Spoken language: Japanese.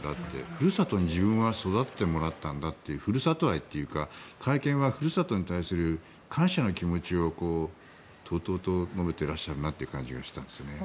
ふるさとに自分は育ててもらったんだっていうふるさと愛というか会見は、ふるさとに対する感謝の気持ちをとうとうと述べていらっしゃるなという感じがしたんですね。